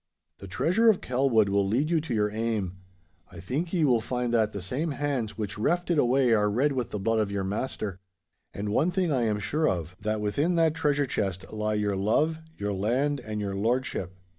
'The treasure of Kelwood will lead you to your aim. I think ye will find that the same hands which reft it away are red with the blood of your master. And one thing I am sure of—that within that treasure chest lie your love, your land, and your lordship!